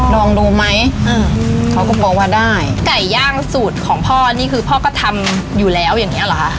ลองดูไหมอ่าเขาก็บอกว่าได้ไก่ย่างสูตรของพ่อนี่คือพ่อก็ทำอยู่แล้วอย่างเงี้เหรอคะ